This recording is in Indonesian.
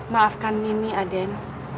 maafkan nini aden